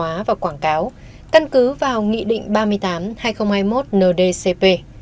hành vi phản hóa và quảng cáo căn cứ vào nghị định ba mươi tám hai nghìn hai mươi một ndcp